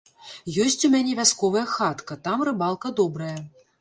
Ёсць у мяне вясковая хатка, там рыбалка добрая.